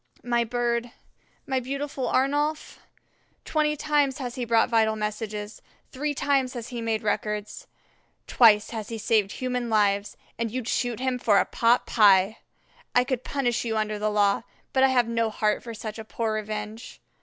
"My bird, my beautiful Arnolf, twenty times has he brought vital messages, three times has he made records, twice has he saved human lives, and you'd shoot him for a pot pie. I could punish you under the law, but I have no heart for such a poor revenge.